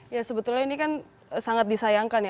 ya sebetulnya ini kan sangat disayangkan ya